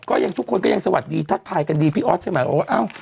ทุกคนก็ยังสวัสดีทักทายกันดีพี่ออสใช่ไหมบอกว่าอ้าว